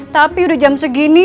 tapi udah jam segini